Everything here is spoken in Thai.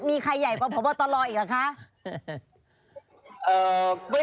มีใครใหญ่กว่าพรบทรอีกฮะ